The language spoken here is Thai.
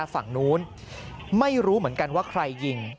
ฝั่งนู้นไม่รู้เหมือนกันว่าใครยิง